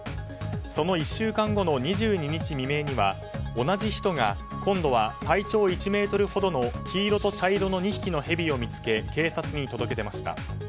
その１週間後の２２日未明には同じ人が今度は体長１ｍほどの黄色と茶色の２匹のヘビを見つけ警察に届け出ました。